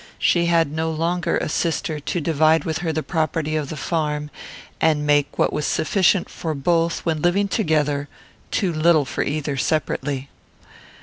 She had no longer a sister to divide with her the property of the farm, and make what was sufficient for both, when living together, too little for either separately.